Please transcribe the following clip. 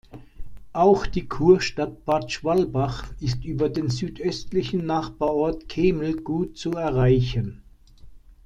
Auch die Kurstadt Bad Schwalbach ist über den südöstlichen Nachbarort Kemel gut zu erreichen.